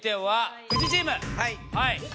はい。